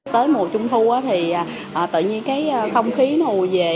tới mùa trung thu thì tự nhiên cái không khí nó ùi về